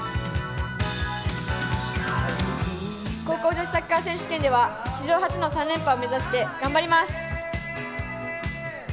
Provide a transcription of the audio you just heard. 高校女子サッカー選手権では史上初の３連覇を目指して頑張ります。